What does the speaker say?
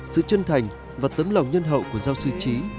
sự chân thành và tấm lòng nhân hậu của giao sư trí